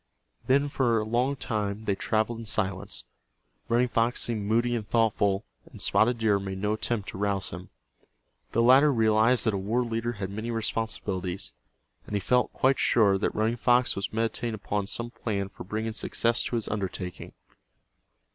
Then for a long time they traveled in silence. Running Fox seemed moody and thoughtful, and Spotted Deer made no attempt to rouse him. The latter realized that a war leader had many responsibilities, and he felt quite sure that Running Fox was meditating upon some plan for bringing success to his undertaking.